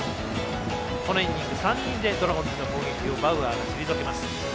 このイニング３人でドラゴンズの攻撃バウアーが退けます。